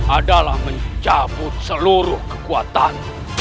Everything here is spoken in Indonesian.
adalah mencabut seluruh kekuatan